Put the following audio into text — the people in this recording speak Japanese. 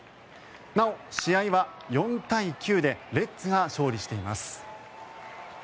なお、試合は４対９でレッズが勝利しています。